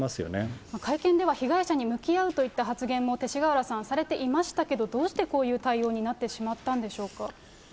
会見では被害者に向き合うといった発言も勅使川原さんされていましたけど、どうしてこういう対応になってしまったんでしょうか。